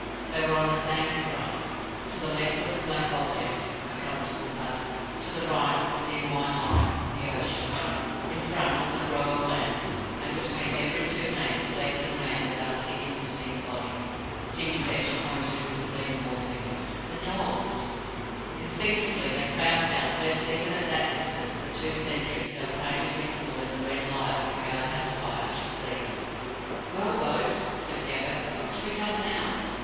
They were on a sandy rise. To the left was a black object a constable's hut; to the right was a dim white line the ocean; in front was a row of lamps, and between every two lamps leapt and ran a dusky, indistinct body. Jemmy Vetch pointed with his lean forefinger. "The dogs!" Instinctively they crouched down, lest even at that distance the two sentries, so plainly visible in the red light of the guard house fire, should see them. "Well, bo's," said Gabbett, "what's to be done now?"